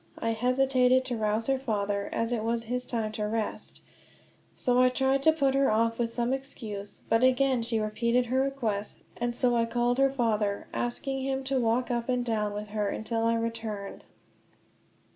I hesitated to rouse her father, as it was his time to rest; so I tried to put her off with some excuse; but again she repeated her request, and so I called her father, asking him to walk up and down with her until I returned.